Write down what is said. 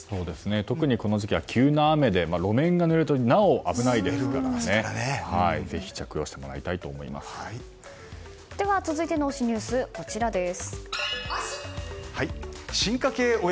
特にこの時期は急な雨で路面がぬれるとなお危ないのでぜひ着用してもらいたいと続いての推しニュースです。